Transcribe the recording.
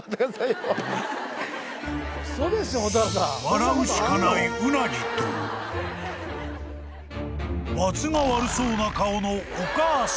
［笑うしかない鰻とバツが悪そうな顔のお母さん］